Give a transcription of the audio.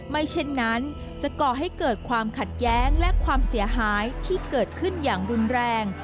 ไม่เช่นนั้นจะก่อให้เกิดความขัดแย้งและความเสียหายที่เกิดขึ้นอย่างรุนแรง